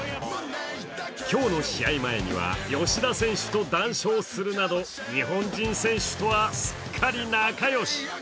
今日の試合前には吉田選手と談笑するなど日本人選手とはすっかり仲良し。